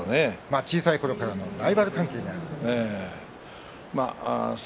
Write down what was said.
小さいころからのライバル関係にあります。